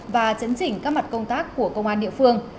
và chấn chỉnh các mặt công tác của công an địa phương